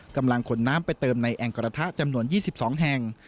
กำลังขนน้ำไปเติมในแอ่งกระทะจำนวน๒๒แห่ง